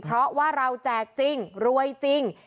เพราะว่าเราแจกจริงรวยจริง